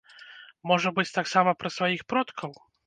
Можа быць, таксама пра сваіх продкаў?